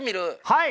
はい。